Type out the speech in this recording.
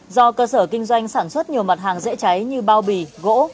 do cơ sở kinh doanh sản xuất nhiều mặt hàng dễ cháy như bao bì gỗ